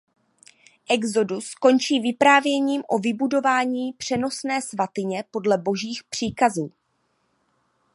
Exodus končí vyprávěním o vybudování přenosné svatyně podle Božích příkazů.